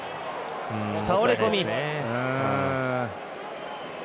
倒れ込み。